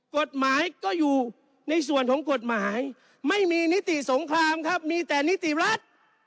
กฎหมายก็อยู่ในส่วนของกฎหมายไม่มีนิติสงครามครับมีแต่นิติรัฐ